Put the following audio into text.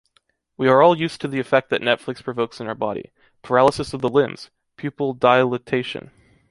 We are all used to the effect that Netflix provokes in our body: paralysis of the limbs, pupil dilatation.